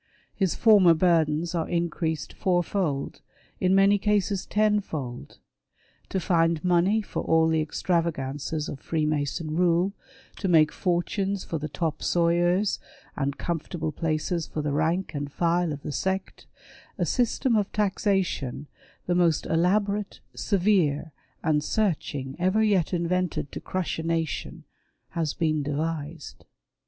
His former burdens are increased four fold — in many cases, ten fold. To find money for all the extravagances of Freemason rule — to make fortunes for the top sawyers, and comfortable places for the rank and file of the sect, a system of taxation, the most elaborate, severe, and searching ever yet invented to crush a nation, has been devised.